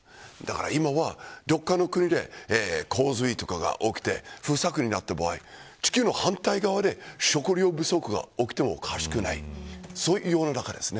今は、どこかの国で洪水とかが起きて不作になった場合地球の反対側で食糧不足が起きてもおかしくないそういう世の中です。